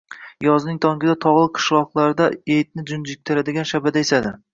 Yozning tongida tog`li qishloqlarda etni junjiktiradigan shabada esadi